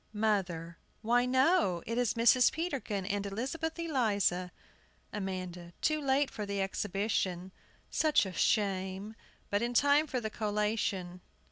MOTHER. Why, no. It is Mrs. Peterkin and Elizabeth Eliza! AMANDA. Too late for the exhibition. Such a shame! But in time for the collation.